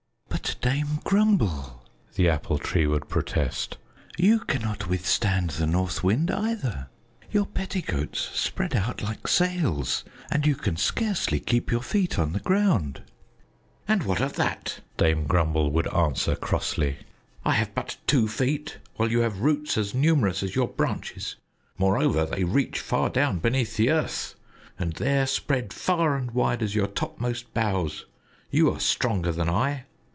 "But, Dame Grumble," the Apple Tree would protest, "you cannot withstand the North Wind, either. Your petticoats spread out like sails, and you can scarcely keep your feet on the ground." "And what of that?" Dame Grumble would answer crossly. "I have but two feet, while you have roots as numerous as your branches. Moreover, they reach far down beneath the earth, and there spread far and wide as your topmost boughs. You are stronger than I.